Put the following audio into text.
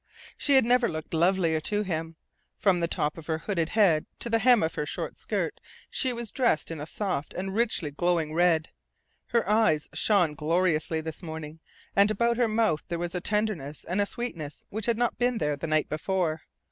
She had never looked lovelier to him. From the top of her hooded head to the hem of her short skirt she was dressed in a soft and richly glowing red. Her eyes shone gloriously this morning, and about her mouth there was a tenderness and a sweetness which had not been there the night before.